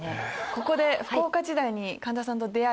ここで福岡時代に神田さんと出会い